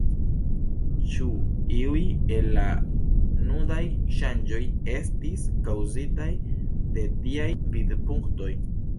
Ĉu iuj el la nunaj ŝanĝoj estis kaŭzitaj de tiaj vidpunktoj?